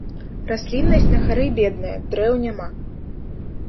Расліннасць на гары бедная, дрэў няма.